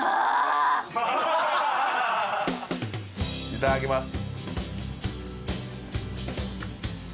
いただきます